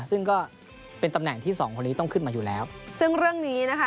ซึ่งก็เป็นตำแหน่งที่สองคนนี้ต้องขึ้นมาอยู่แล้วซึ่งเรื่องนี้นะคะ